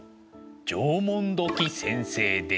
縄文土器先生です。